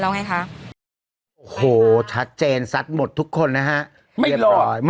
หลากหลายรอดอย่างเดียว